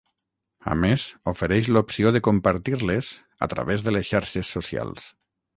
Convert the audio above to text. A més, ofereix l'opció de compartir-les a través de les xarxes socials.